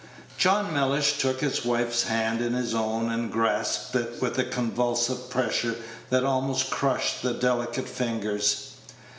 John Mellish took his wife's hand in his own, and grasped it with a convulsive pressure that almost crushed the delicate fingers.